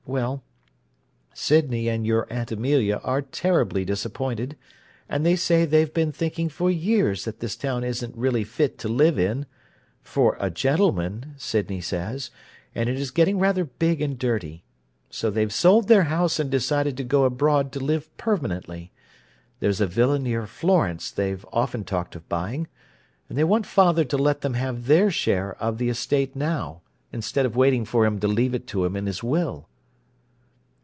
Well, Sydney and your Aunt Amelia are terribly disappointed, and they say they've been thinking for years that this town isn't really fit to live in—'for a gentleman,' Sydney says—and it is getting rather big and dirty. So they've sold their house and decided to go abroad to live permanently; there's a villa near Florence they've often talked of buying. And they want father to let them have their share of the estate now, instead of waiting for him to leave it to them in his will."